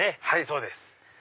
はいそうです。